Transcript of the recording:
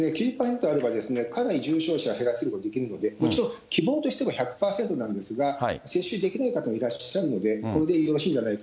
９０％以上あれば、かなり重症者減らせることができるので、もちろん希望としては１００％なんですが、接種できない方もいらっしゃるので、これでよ